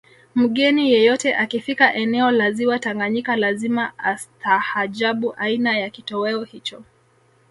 Mgeni yeyote akifika eneo la ziwa Tanganyika lazima atastahajabu aina ya kitoweo hicho